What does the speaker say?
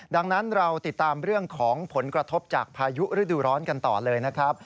ดังนั้นเราติดตามเรื่องของผลกระทบจากพายุฤดูร้อนกันต่อเลยนะครับ